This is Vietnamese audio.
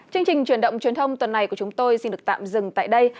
chương trình truyền động truyền thông tuần này của chúng tôi xin được tạm dừng tại đây